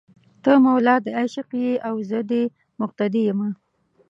ته مولا دې عشق یې او زه دې مقتدي یمه